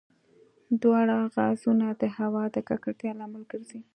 دواړه غازونه د هوا د ککړتیا لامل ګرځي.